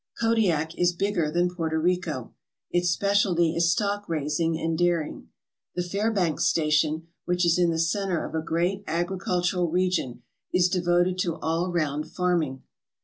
Kodiak is bigger than Porto Rico. Its specialty is stock raising and dairying. The Fairbanks station, which is in the centre of a great agricultural region, is devoted to all round farming.